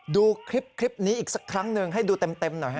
ดูคลิปนี้อีกสักครั้งหนึ่งให้ดูเต็มหน่อยฮะ